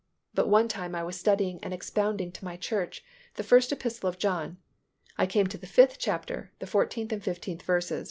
But one time I was studying and expounding to my church the First Epistle of John. I came to the fifth chapter, the fourteenth and fifteenth verses (R.